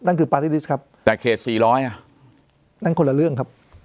นั่นคือครับแต่เคสสี่ร้อยอ่ะนั่นคนละเรื่องครับ